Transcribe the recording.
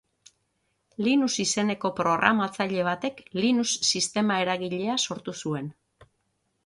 Linus izeneko programatzaile batek Linux sistema eragilea sortu zuen.